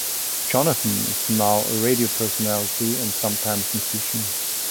Jonathan is now a radio personality and sometime musician.